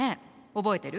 覚えてる？